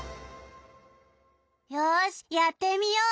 よしやってみよう。